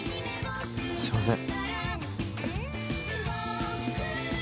すいません。